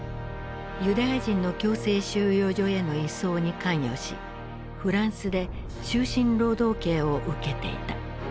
ユダヤ人の強制収容所への移送に関与しフランスで終身労働刑を受けていた。